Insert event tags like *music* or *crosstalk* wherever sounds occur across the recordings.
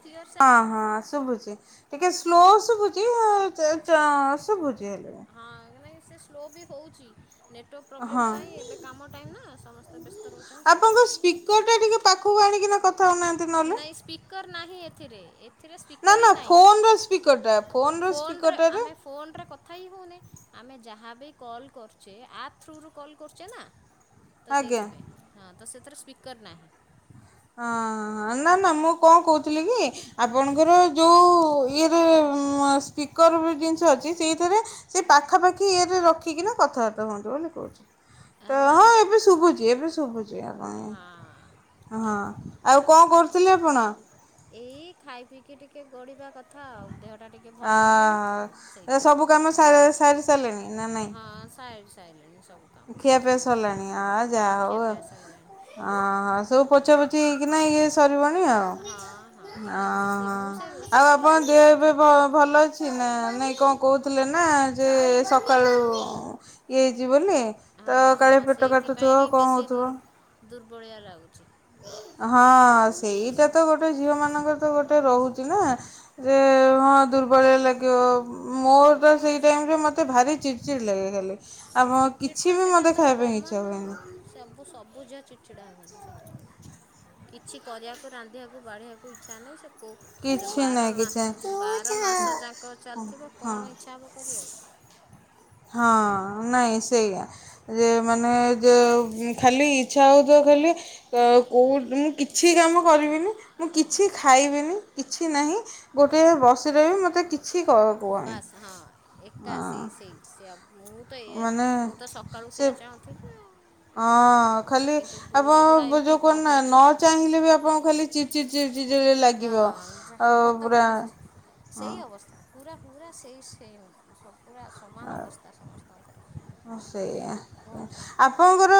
Clear ସା ଅ ହଁ ଶୁଭୁଛି ଟିକେ ସ୍ଲୋ ଶୁଭୁଛି ର ଶୁବୁ *unintelligible* ହଁ ନାଇଁ ସେ ସ୍ଲୋ ବି ହଉଛି। ନେଟୱାର୍କ ପ୍ରୋବ୍ଲେମ୍ ପାଇଁ ଏବେ କାମ ଟାଇମ୍ ନା ସମସ୍ତେ ବ୍ୟସ୍ତ ରହୁଛନ୍ତି ଆପଣଙ୍କ ସେଇଥିପାଇଁ। ସ୍ପିକରଟା ଟିକେ ପାଖକୁ ଆଣିକିନା କଥା ହଉନାହାନ୍ତି ନହେଲେ। ନାଇ ସ୍ପିକର ନାହି ଥିରେ। ଏଥିରେ ନା ସ୍ପିକର୍ ହି ନା ଫୋନର ସ୍ପିକରଟା ନାହିଁ ଫୋନର ଫୋନରେ ସ୍ପିକରଟାରେ ଆମେ ଫୋନରେ କଥା ହିଁ ହଉନି। ଆମେ ଯାହାବ କଲ୍ କରୁଛେ ଆ ଥରୁ କଲ୍ କରୁଛେ ନା। ତ ଆଜ୍ଞା ସେଇଥି ପାଇଁ ହଁ ତସ ଏଥିରେ ସ୍ପୀିକର ନାହିଁ। ହ ନା ନା ମୁଁ କଣ କହୁଥିଲି କି ଆପଣଙ୍କର ଯୋଉ ଇଏରେ ସ୍ପିକର ଜିନିଷ ଅଛି ସେଇଥିରେ ସେ ପାଖାପାଖି ଇଏରେ ରଖିକିନା କଥାବାର୍ତ୍ତା ହୁଅନ୍ତୁ ବୋଲି କହୁଛି। ତ ହଁ ନାଇଁ ଏବେ ଶୁଭୁଛି ଏବେ ଶୁଭୁଛି ଆପ ହଁ। ହଁ ଆଉ କଣ କରଥିଲେ ଆପଣ? ଟିକେ ଟିକେ ଗଡିବା କଥା ଆଉ ଦେହଟା ଟ ଆ ସବୁ କାମ ସାରି ସାରିଲେଣି ନା ନାଇଁ? ସାଇଲିଣୀ ସବୁ କାମ। ଖିଆ ପିଆ ସରିଲଣି ହଁ ଯାହା ହଉ ଖିଆପିଆ ସଇଲାଣି। ଆଉ ହ ପୋଛା ପୋଛି ହେଇକି ନା ଇଏ ସ ଭଲିଆ ହଁ ହଁ ଆ ଆଁ ବେଶୀ ମୁଁ ସେ ରୋଷେଇ ଆଉ କଲା ଆପଣ ଦେହ ଭିତରେ ଏବେ ଭ ପୋଛାପୋଛି କରିଦିଏ। ଭଲଅଛି ନାଇ କଣ କହୁଥି *unintelligible* ନା ଯେ ସକାଳୁ ଇଏ ହେଇଛି ବୋଲି ତ ହଁ କାଳେ ହଁ ପେଟ କାଟୁଥିବ କଣ ହେଉଥିବ। ବଳିିଆ ଲାଗୁଛି। ହଁ ସେଇଟା ତ ଗୋଟେ ଝିଅ ମାନଙ୍କର ତ ଗୋଟେ ରହୁଛି ନା ରେ ହଁ ଦୁର୍ବଳ ଲାଗିବ ମୋର ତ ସେଇ ଟାଇମ୍ ରେ ମୋତେ ଭାରି ଚିଡ଼୍ ଚିଡ଼୍ ଲାଗେ ଖାଲି। ଆମ ଚିଡ୍ ଚିଡ୍ କିଛି ତ ବି ସେଇଟା ମୋତେ ତ ଖାଇବା ପାଇଁ ଇଚ୍ଛା କମନ ଆଉ ହୁଏନି ସବୁ ସବୁ ଯ ଚ ଛିଡ଼ା ହୁଅ ସେ କିଛି କରିବାକୁ ରାନ୍ଧିବାକୁ ବାଢିବାକୁ ଇଚଛା ନାହିଁ ସେ କୋ ସେ କିଛି ବାର ନାହିଁ ମା କିଛି ବାର ନାହିଁ ମାସ ଯାକ ଚାଲିଥିବ ହଁ କଣ ଇଚ୍ଛା ହେବ କରିଆକୁ। ହଁ ନହିଁ ସେଇା ଯେ ମାନେ ଯେ ଖାଲି ଇଚ୍ଛା ହେଉଥିବ ଖାଲି କେଉଁ ମୁଁ କିଛି କାମ କରିବିନି ମୁଁ କିଛି ଖାଇବିନି କିଛି ନାହିଁ ଗୋଟେ ହଁ। ବସିଲେ ବି ମୋତେ କିଛି କୁହନି ହଁ। ସେବ୍ ମାନେ ସେ ଚାହୁଁଥିଲି ଆଉ ହଁ ମୁଁ ତ ଖାଲି କିନ୍ତୁ ଗୋଡ଼ ଗୁଡ଼ା ଆପଣ ଏମିତି ଯେଉଁ କଣ ନା କହୁଛି ନ ଚାହିଁଲେ ବି ଆପଣଙ୍କୁ ଖାଲି ଚି ଚିଡ଼ ଚି ଚି ହଁ ଲାଗିବ ଯା ଆଉ। ମୋ ତ ପୁରା ସେଇ ହଁ ଅବସ୍ଥା। ପୁରା ପୁରା ସେଇ ସେମ୍ ସବ ପୁରା ସମାନ ଅବସ୍ଥା ସମସ୍ତଙ୍କର ଓ ସେଇଆ କୁହନ୍ତୁନି ଆପଣଙ୍କର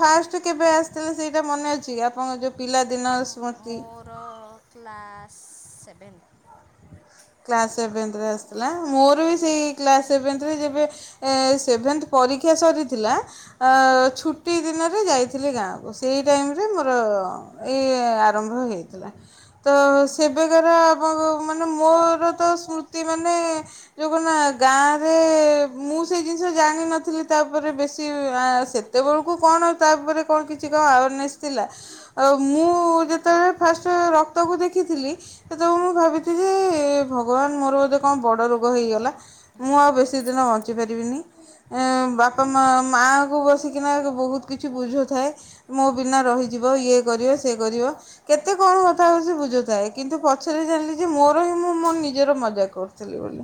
ଫାଷ୍ଟ କେବେ ଆସିଥିଲେ ସେଇଟା ମନେ ଅଛି କି ଆପଣଙ୍କ ପିଲାଦିନର ସ୍ମୃତି ମୋର ବନ୍ *inaudible* କ୍ଲାସ୍ ସେଭେନ୍ଥରେ ଆସିଥିଲା ମୋର ବି ସେଇ କ୍ଲାସ୍ ସେଭେନ୍ଥରେ ଯେବେ ସେଭେନ୍ଥ ପରୀକ୍ଷା ସରିଥିଲା ଛୁଟି ଦିନରେ ଯାଇଥିଲି ଗାଁକୁ ସେଇ ଟାଇମରେ ମୋର ଏ ଆରମ୍ଭ ହୋଇଇଥିଲା ତ ସେବେକାର ଆପଣ ମାନେ ମୋରତ ସ୍ମୃତି ମନେ ଜୟୁ ଗାଁ ରେ ମୁଁ ସେଇ ଜିନିଷ ଜାଣିନଥିଲେ ବେଶୀ ସେତବେଳକୁ କଣ ତାପରେ କିଛି ଥିଲା ଆଉ ମୁଁ ଯେତେବେଳେକି ଫାଷ୍ଟ ରକ୍ତକୁ ଦେଖିଥିଲି ସେତବେଲୁକୁ ମୁ ଭାବିଥିଲି ହେ ହେ ଭଗବାନମୋର ବୋଧେ କଣ ବୋର୍ଡର ରୋଗ ହେଇଗଲା ମୁଁ ଆଉ ବେଶି ଦିନ ବଞ୍ଚିପାରିବି ନାହିଁ। ବାପା ମାଆ ମାଆଙ୍କୁ ବସିକିନା ବହୁତ କିଛି ବୁଝାଉଥାଏମୁଁ ବିନା ରହିଯିବ ଏ କରିବ ସେ କରିବ। କେତେ କଣ କଥା ସେ ବୁଝାଉଥାଏ କିନ୍ତୁ ପଛରେ ଜାଣିଲା ମୋର ମୁ ନିଜର ମଜା କରୁଥିଲେ ବୋଲି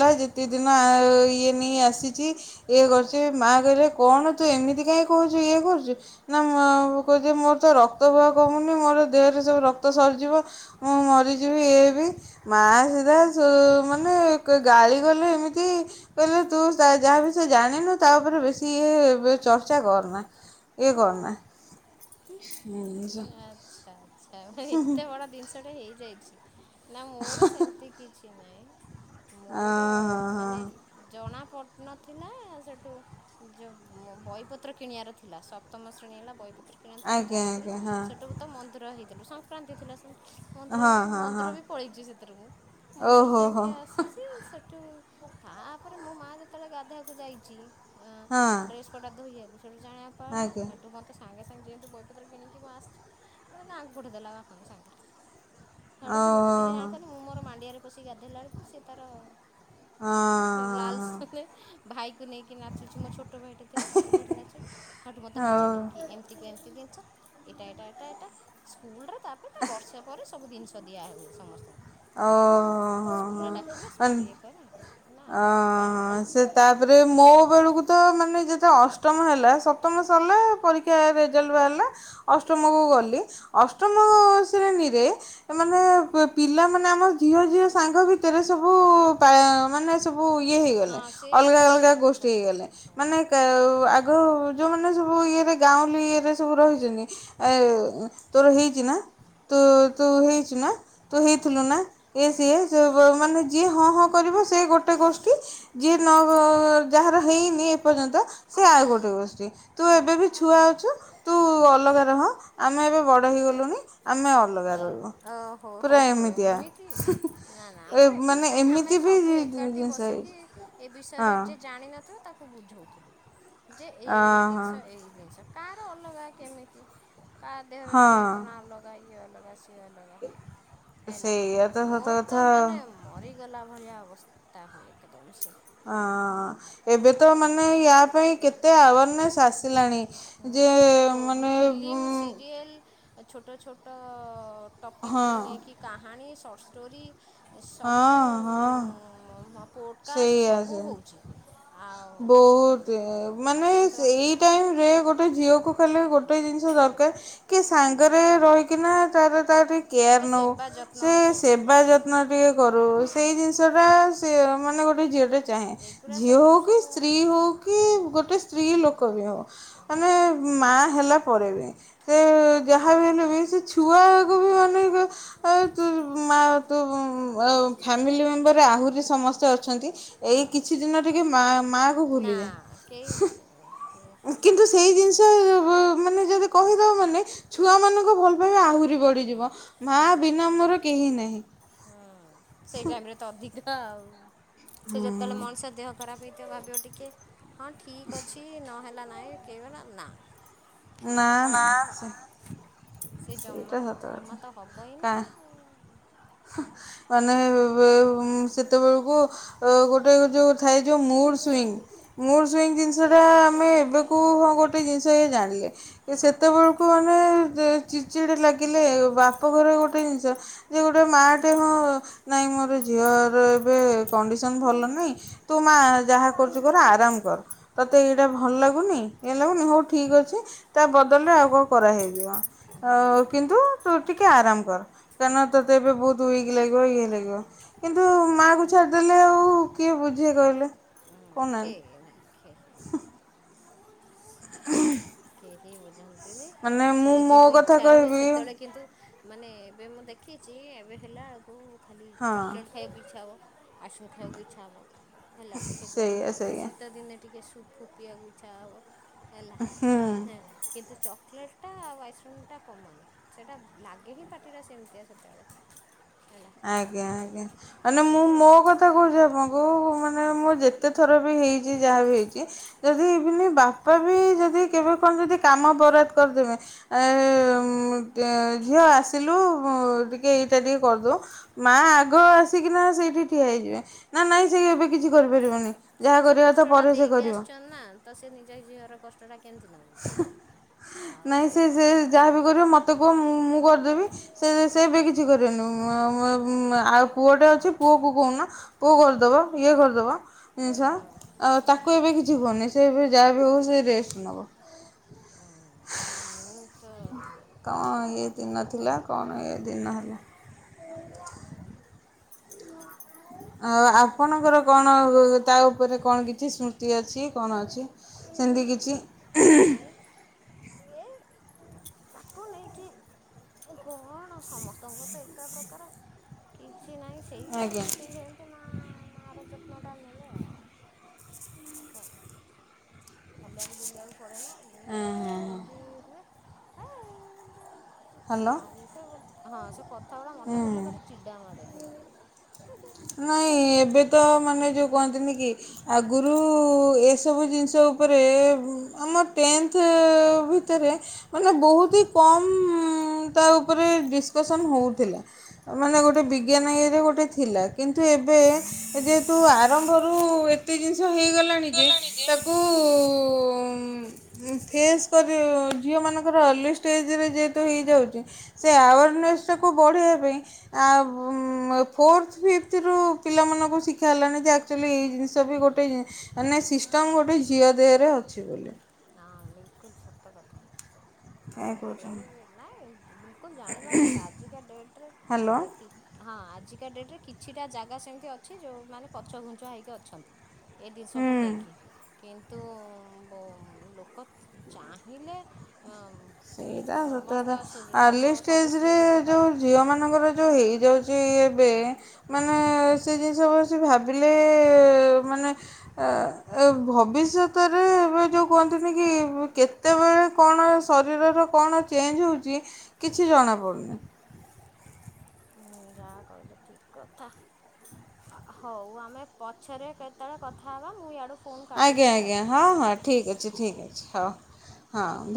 ଯେତିେ ଦିନ ଇଏ ନେଇ ଆସିଛି ଇଏ କରୁଛି ମା କହିଲେ କଣ ତୁ ଏମିତି କାହିଁ କହୁଛୁ ଇଏ କରୁଛୁ ନା କଛି ମୋର ତ ରକ୍ତ ବହ କମୁନି ମୋର ଦେହରେ ସବୁ ରକ୍ତ ସରିଯିବ ମୁଁ ମରିଯିବି ଇଏ ବି ମା ସିଧା ମାନେ ଗାଳି ଗଲେୁ ଏମିତି କହିଲେ ତୁ ଯାହା ବିଷୟ ଜାଣିନୁ ତା ଉପରେ ବେଶୀ ଇ ଚର୍ଚ୍ଚା କରନା ଏ ମୁଁ ଘରମା- ଆଚ୍ଛା ଏତେ ବଡ ଜିନିଷଟା ଏଇ ରଛି ନା ମୋର ସେତି କିଛି ଚନ୍ ନାାଇ ମୋର ମାନେ ଜଣା ପଟନ ଥିଲା ସେଠୁ ଯେଉଁ ବହିପତ୍ର କିଣିବାର ଥିଲା ସପ୍ତମ ଶ୍ରେଣୀ ହେ ବହିପ - କିଣଥିଲୁ ମୁଁ ଆଜ୍ଞା ଯାଇଥିଲି ଆଜ୍ଞା ସେଠୁ ତ ମନ୍ଦିର ହେଇଥିଲୁଙ୍ଗ ସଂକ୍ରାନ୍ତି ଥିଲା ସେୁ ମନ୍ଦିର ହଁ ହଁ ହଁ ହଁ ମନ୍ଦିର ବି ପଳେଇଛି ସେଥିରୁ ମୁଁ ମନ୍ଦିର ଓହୋ ହୋ ଯାଇକି ଆସିଛି ସେଠୁ ତାପରେ ମୋ ମା ଯେତେବେଳେ ଗାଧୁୋଇଆକୁ ଯାଇଛି ଅ ହଁ। ଡ୍ରେସ ପଟା ତ ଧୋଇଆଗ ୋଟାଣ ିଲ ଆଜ୍ଞା ହେଟୁ ମତେ - ସାଙ୍ଗେ ସାଙ୍ଗେ ଯେହେତୁ ବହିପତ୍ର କିଣିକି ଆସିଛି ମୋତେ ଆଗକୁ ପଠି ଦେେଲା ବାପାଙ୍କୁ ସାଙ୍ଗରେ ହାଡୁ ମୁଁ ତ କିଛି ଓହୋ ଜାଣିପାରୁି ମୁଁୋର ମାଣ୍ଡିଆରେ ପ ସେ ଗାଧୋଇଲା ବେଳକୁ ସ ସେ ତାର ହଁ ଲାଲସନେ ଭାଇ କ ନେଇକି ନାଚୁଛି ମୋ ଛୋଟ ଭାଇଟେ ଥିଲା ତାକୁ ଧରି ନାଚୁ ହାଠୁ ମତେ ହଁ ହଁ ବୁଝିଲେ କି ହଉ ଏମିତି କ ଏମିତି ଜିନିଷ ଏଇଟା ଏଇଟା ଏଇଟା ଏଇଟା ସ୍କୁଲରେ ତାପରେ ତା ବର୍ଷା ପରେ ସବୁ ଜିନିଷ ଦିଆ ହୁଏ ସମସ୍ତଙ୍କୁ। ଓହୋ ସ୍କୁଲରେ ଡାକିଲେ ହୋ ହୋ ସ୍କୁଲରେ ଇଏ କରେ ନା ଅ ସେ ତାପରେ ମୋ ବେଳକୁ ତ ମାନେ ଯେତେ ଅଷ୍ଟ ମ ହେଲା ସପ୍ତମ ସରିଲା ପରୀକ୍ଷା ରେଜଲ୍ଟ ବାହାରିଲା ଅଷ୍ଟମ କୁ ଗଲି ଅଷ୍ଟମ ଶ୍ରେଣୀ ରେ ମାନେ ପି ପିଲା ମାନେ ଆମ ଝିଅ ଝିଅ ସାଙ୍ଗ ଭିତରେ ସବୁ ମାନେ ସବୁ ଇଏ ହେଇଗଲେ ହଁ ସେ ଅଲଗା ବିଷୟରେ ଅଲଗା ଗପ ଗୋଷ୍ଠୀ ହେଇଗଲେ ମାନେ କ ଆଗ ଯେଉଁମାନେ ସବୁ ଇଏରେ ଗାଁଉଲି ଇଏରେ ସବୁ ରହିଛନ୍ତି ତୋର ହେଇଛି ନା ତ ତୁ ହେଇଚୁ ନା। ତୁ ହେଇଥିଲୁ ନା ଇ ସିଏ ମାନେ ଯିଏ ହଁ ହଁ। କରିବ ସେ ଗୋଟେ ଗୋସ୍ କି ଯିଏ ନ ଯାହାର ହେଇନି ଏ ପର୍ଯ୍ୟନ୍ତ ସେ ଆଉ ଗୋଟେ ଗୋଷ୍ଠୀ। ତୁ ଏବେ ବି ଛୁଆ ଅଛୁ ତୁ ଅଲଗା ରହ ଆମେ ଏବେ ବଡ଼ ହେଇଗଲୁଣିି ଆମେ ଅ ଅଲଗା। ଓହୋ। ରହିବୁ ହ ହୋ ପୁରା ହଉ ଏମିତିଆ ଏମିତି ନା ନା ଏ ଆମର ଏମିତି ମାନେ ନାହିଁ ଆମେ ବି ସବୁ ଏକାଠି ଜିନିଷ ବସିକି ହେଇଛି ଏ ହଁ ବିଷୟରେ ଯିଏ ଜାଣିନଥିବ ତାକୁ ବୁଝଉଥିଲୁ। ଯେ ଏଇ ହଁ ଜିନିଷ ଏଇ ଜିନିଷ। କାହାର ଅଲଗା କେମିତି। କା ଦେହର ଯନ୍ତ୍ରଣା ହଁ ଅଲଗା *unintelligible* ଅଗା। ଅଲଗା ହେଲା ସେଇଆ ତ ମୋର ସତ ତ କଥା ଆଉ ମାନେ ମରିଗଲା ଭଳିଆ ହବ। *unintelligible* ହୁଏ ଏକଦମ ସେ ହ ଏବେ ତ ମାନେ ୟା ପାଇଁ କେତେ ଆୱାରନେସ୍ ଆସିଲାଣି। ଯେ ହଁ ମାନେ ଫିଲ୍ମ ସିରିଏଲ୍ ଛୋଟ ଛୋଟ ହଁ ଟପିକକୁୁ ନେଇକି କାହାଣୀ ଶର୍ଟ୍ ଷ୍ଟୋରି। ସବୁ ହଁ ହଁ ପୋଡ଼କାଷ୍ଟ ସେଇଆ ସବୁ ହେଉଛି ଆଉ ବହୁତ ମାନେ କିନ୍ତୁ ଏଇ ଟାଇମରେ ଗୋଟେ ଗୋଟେ ଝିଅକୁ ଖାଲି ଗୋଟେ ଜିନିଷ ଦରକାର କି ସାଙ୍ଗରେ ରହିକିନା ତାର ତା ଟିକେ କେୟାର୍ ନେଉ ସେବା ଯତ୍ନ ସେ କରୁ ସେବା ବାସ୍ ଯତ୍ନ ଟିକେ କରୁ ସେଇ ଜିନିଷଟା ସେ ମାନେ ଗୋଟେ ଝିଅ ଟେ ଚାହେ ଏଗୁଡ଼ା ଝିଅ ସବୁ ହଉ କି ସବୁ ସ୍ତ୍ରୀ ହଉ କି ଗୋଟେ ସ୍ତ୍ରୀ ଲୋକ ବି ହଉ ମାନେ ମା ହେଲା *unintelligible* ସେ ଯାହା ବି ହେଲେ ବି ସେ ଛୁଆକୁ ବି ଅନେକ ଆ -ତୁ-ଆଁ ଫାମିଲି ମେମ୍ବର ଆହୁରି ସମସ୍ତେ। ଚଛନ୍ତି ଏଇ ହଁ କିଛି ଦିନ ଟିକେ ମା ମା କୁ ନା କେହି ଭୁଲିଯାଏ ବୁଝିବନି ହଁ କେହି କିନ୍ତୁ ସେଇ ବୁଝିବନି ଜିନିଷ *unintelligible* ମାନେ ଯଦି କହିଦେଉ ମାନେ ଛୁଆମାନଙ୍କ ଭଲ ପାଇବା ଆହୁରି ବଢ଼ିଯିବ। ମା ବିନା ମୋର କେହି ନାହିଁ। ହଁ ସେଇ ଟାଇମରେ ତ ଅଧିକ *unintelligible* ସେ ଯେତେବେଲ ହୁଁ ମଣିଷ ଦେହ ଖରାପ ହେଇ *unintelligible* ଟିକେ ହଁ ଠିକ ଅଛି ନହେଲେ ନା ନାଇ *unintelligible* ନା ନା ସେ ସେ ଜମା ସେଇଟା ସତ ଜମା କଥା ତ ହବ ହିଁ କାଣ ନାହିଁ ଆଉ। ହଂ ମାନେଉ *unintelligible* ସେତେବେଳେକୁ *unintelligible* ଗୋଟେ ଥାଏ ଯୋଉ ମୁଡସୁଇଂଗ ମୁଡ ଜିନିଷ ଟା ସେଇଟା ଆମେ ଜନ୍ମ ଏବେ କୁ ହଁ ସେ ଗୋଟେ ଜିନିଷଏଇ ଜାଣିଲେ। ହଁ ସେତେବେଳକୁ ଆମେ ଚିଚିଡ଼ି ଲାଗିଲେ ବାପଘରେ ଗୋଟେ ଜିନିଷ ଯେ ଗୋଟେ ମାଟେ ହଁ ନାଇଁ ମୋର ଝିଅର ଏବେ ଏବେ କଣ୍ଡିସନ୍ ଭଲ *unintelligible* ତୁ ମା ଯାହା କରୁଚୁ କର ଆରାମ କର। ତତେ *unintelligible* ଭଲ ଲାଗୁନି ଇୟେ ଲାଗୁନି ହଉ ଠିକ୍ ଅଛି। ତା ବଦଳରେ ଆଉ କଣ କରାହଇଯିବ। ଅଂ କିନ୍ତୁ ତୁ ଟିକେ ଆରାମ କର। କଣନା ତୋତେ ଏବେ ବହୁତ ୱିକ୍ ଲାଗିବ ଇଏ ଲାଗିବ କିନ୍ତୁ ମାଆକୁ ଛାଡ଼ିଦେଲେ ଆଉ କିଏ ବୁଝି କହିଲେ କେ ନା ଖେ କହୁଥାନ୍ତି। *inaudible* *unintelligible* ଯେମିତି ବି ମାନେ ମୁଁ ଖାଲି ମୋ କିନ୍ତୁ କଥା ଇଚ୍ଛା ହବ କହିବି ସେତେବେଳେ କିନ୍ତୁ ମାନେ ଏବେ ମୁଁ ଦେଖ୍ କିଛି ଏବେ ହେଲାଳକୁ ଖାଲି ହଁ ଚକଲେଟ୍ ଖାଇଆକୁ ଇଚ୍ଛା ହେବ। *unintelligible* ଖାଇଆକୁ ଇଚ୍ଛା ହେବ ହେଲା ଟିକେ ଗରମ ସେଇଆ ଗ ସେଇଆ। ଶୀତଦିନେ ଟିକେ ସୁପ୍ ଫପ୍ ପିଇବାକୁ ଇଚ୍ଛା ହେବ। ହେଲାଁ ହେଁ କିନ୍ତୁ ଚକ୍ ଲେଟ୍ ଟା ଆଉ ଆଇସିକ୍ରିମ୍ ଟା କମାନ୍ ସେଇଟା ଲାଗେ ହିଁ ପାଟିଟା ସେମିତି ଆ। *unintelligible* ଆଜ୍ଞା ଆଜ୍ଞା ମାନେ ମୁଁ ମୋ ସେତେବେଳେ କଥା କହୁଛି ଆପଣଙ୍କୁ *unintelligible* ମାନେ ମୁଁ ଯେତେଥର ବି ହେଇଚି ଯାହା ବି ହେଇଚି ଯଦି *unintelligible* ବାପା ବି ଯଦି କେବେ କଣ ଯଦି କାମ ବରାଦ କରିଦେବେ *unintelligible* ଝିଅ ଆସିଲୁ *unintelligible* ଟିକିେ ଏଇଟା ଟିକେ କରିଦେଉ। ମା ଆଗ ଆସିକିନା ସେଇଠି ଠିଆ ହେଇଯିବେ ନା ନାଇଁ ସେ ଏବେ କିଛି କରିପାରିବନି। ଯାହା ସିଏ ସେ କରିବା କଥା କଷ୍ଟ ଟା ପରେ ସେ ଦେଇକି କରିବ ଆସିଚନ୍ ନା ତ ସେ ନିଜ ଝିଅରକ କେମିତି ନ ବୁଝିବେ। ଆଉ ନାଇଁ ସେ ସେ ସେଇଟା ଯାହାବ କରିବ ମତେ କୁହ ମୁଁ କରିଦେବି ସେ ସେମିତି କିଛି କିଛି କରିନୁ ଆମେ ବି ଆଉ ପୁଅଟେ ଅଛି ପୁଅକୁ କହୁନା ପୁଅ କରିଦେବ ଇଏ କରିଦବ ହୁଁ ଜିନିଷ ହୁଁ ଆଉ ତାକୁ ଏବେ କିଛି କୁହନି ସେ ଯାହା ବି ହେଉ ସେ ରେଷ୍ଟ ନେବ। ହଁ କଣ ଏଇ ଦିନ ଥିଲା କଣ ଏଇ ଦିନ ହେଲା ଆ ଆପଣଙ୍କର କଣ ତା ଉପରେ କଣ କିଛି ସ୍ମୃତି ଅଛି କଣ ଅଛି- କିଛି ନାଇଁ ଏ ତାକୁ ନେଇକି କଣ ସମସ୍ତଙ୍କର ତ- ଏକା ପ୍ରକାର କି କିଛି ନାହିଁ ସେଇ ତ ଆଜ୍ଞା ସେ ଯେମିତି ମା ମାର ନେ *inaudible* ଆଉ କଣ *inaudible* ପଡ଼େ ନା ବହୁତ କଷ୍ଟ ବି ହୁଏ। ଏ ହ୍ୟାଲୋ ଭାରି ସେ ହଁ ସେ ଗୁଡ଼ା ମନେ ହୁଁ ପଡ଼ିଲେ ଭାରି ଚିଡ଼ା ମାଡ଼େ ଧରି ନାଇଁ ଯେ ଏବେ ତ ମାନେ ଯୋଉ କହନ୍ତିନି କି ଆଗରୁ ଏସବୁ ଜିନିଷ ଉପରେ ଆମ ଟେନ୍ଥ ଭିତରେ ମାନେ ବହୁତ ହି କମ୍ ତା ଉପରେ ଡିସକସନ୍ ହେଉ ମାନେ ଗୋଟେ ବିଜ୍ଞାନ ଇରେ ଗୋଟେ ଥିଲା କିନ୍ତୁ ଏବେ ଯେହେତୁ ଆରମ୍ଭରୁ ଏତେ ଜିନିଷ ହେଗଲାଣି ଯେ ତାକୁ, ଫେସ୍ ଝିଅମାନଙ୍କର ଅର୍ଲି ଷ୍ଟେଜରେ ଯେହେତୁ ହେଇଯାଉଛି ସେ ଆୱାରନେସ୍ କୁ ବଢ଼େଇବା ପାଇଁ ଫୋର୍ଥ ଫିଫ୍ଥରୁୁ ପିଲାମାନଙ୍କୁ ଶିଖା ହେଲାଣି ଯେ ଆକ୍ଚୁଆଲି ଏଇ ଜିନିଷ ବି ଗୋଟେ ମାନେ ହଁ ସିଷ୍ଟମ୍ ଗୋଟେ ଝିଅ ହଁ ଦେହରେ ଅଛି ବୋଲି ହଁ ବିଲକୁଲ ସତ କଥା- କାହିଁ ସେ କହୁଛନ୍ତି ନାଇଁ ବିଲକୁଲ ଜାଣିବା କଥା ଆଜିକା ଡେଟରେ ହ୍ୟାଲୋ ହଁ ଆ- କା ଡେଟରେ କିଛିଟା ଜାଗା ସେମିତି ଅଛି ଯୋଉ ମାନେ ପଛ ଘୁଞ୍ଚ ହେଇକି ଅଛନ୍ତି ଏ ଜିନିଷକୁ ହୁଁ ନେଇକି କିନ୍ତୁ ଚାହିଁଲେ ସେଇଟା ସତ କଥା ସମସ୍ତ ସୁ- ଆର୍ଲି ସମ ସବୁ ଷ୍ଟେଜ ରେ ସ୍ତ୍ରୀ ଲୋକ ଯୋଉ ପାରିଲେ ଝିଅ ମାନଙ୍କର ଯୋଉ ହେଇଯାଉଛି। କି ଏବେ ହଁ। ମାନେ ସେ ଜିନିଷ ଭାବିଲେ ମାନେ ଭବିଷ୍ୟତରେ ଏ ଯଉଁ କୁହନ୍ତିନି କି କେତେବେଳେ କଣ ଶରୀରର କଣ ଚେଞ୍ଜ ହେଉଛି କିଛି ଜଣାପଡ଼ୁନି। ହୁଁ ଯାହା କହିଲେ ଠିକ କଥା ହଉ ଆମେ ପଛରେ କେତେବେଳେ କଥା ହବା ମୁଁ ଇଆଡୁ ଆଜ୍ଞା ଆଜ୍ଞା ହଁ ହଁ ଠିକ୍ ଅଛି ଠିକ୍ ଅଛି। ହ ହଁ।